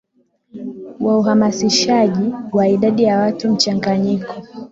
wa uhamasishaji wa idadi ya watu mchanganyiko